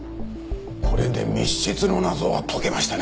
これで密室の謎は解けましたね。